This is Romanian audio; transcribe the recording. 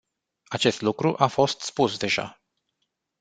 Acest lucru a fost spus deja.